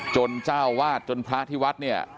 เจ้าวาดจนพระที่วัดเนี่ย